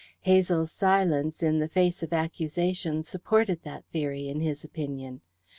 Hazel's silence in the face of accusation supported that theory, in his opinion.